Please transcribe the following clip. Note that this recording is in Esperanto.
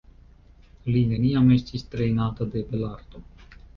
Li neniam estis trejnata de belarto.